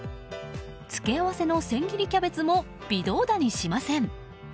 付け合わせの千切りキャベツも微動だにしません。